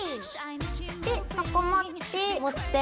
でそこ持って。